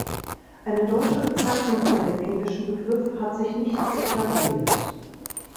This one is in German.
Eine deutsche Bezeichnung für den englischen Begriff hat sich nicht etabliert.